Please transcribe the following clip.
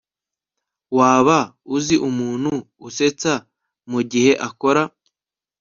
waba uzi umuntu usetsa mugihe akora